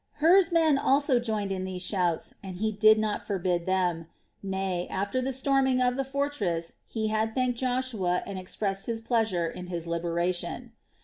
Hur's men also joined in these shouts, and he did not forbid them; nay, after the storming of the fortress, he had thanked Joshua and expressed his pleasure in his liberation.